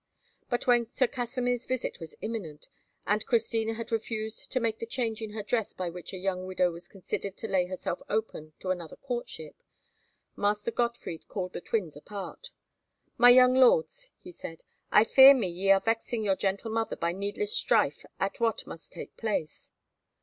But when Sir Kasimir's visit was imminent, and Christina had refused to make the change in her dress by which a young widow was considered to lay herself open to another courtship, Master Gottfried called the twins apart. "My young lords," he said, "I fear me ye are vexing your gentle mother by needless strife at what must take place."